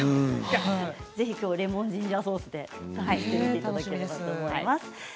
ぜひレモンジンジャーソースで作っていただけたらと思います。